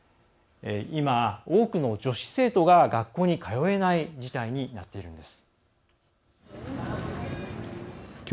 今、多くの女子生徒が学校に通えない事態になっているんです。